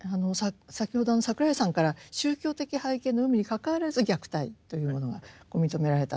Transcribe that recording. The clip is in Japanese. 先ほど櫻井さんから宗教的背景の有無にかかわらず虐待というものが認められたと。